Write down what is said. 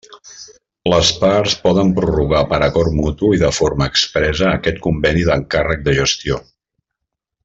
Les parts poden prorrogar per acord mutu i de forma expressa aquest Conveni d'encàrrec de gestió.